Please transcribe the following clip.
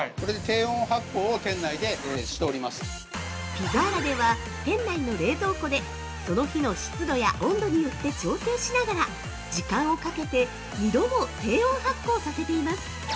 ◆ピザーラでは店内の冷蔵庫でその日の湿度や温度によって調整しながら時間をかけて２度も低温発酵させています。